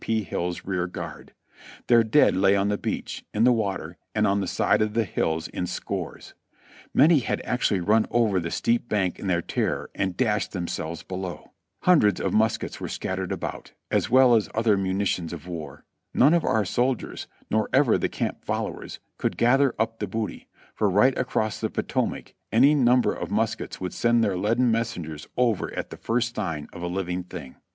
P. Hill's rear guard ; their dead lay on the beach, in the water, and on the side of the hills in scores ; many had actually run over the steep bank in their terror and dashed themselves below. Hundreds of muskets were scattered about, as well as other mu nitions of war. None of our soldiers, nor ever the camp followers, could gather up the booty, for right across the Potomac any num ber of muskets would send their leaden messengers over at the first sign of a living thing.